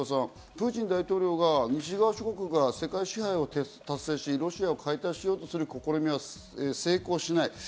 プーチン大統領が、西側諸国が世界支配を達成し、ロシアを解体しようとする試みは成功しない。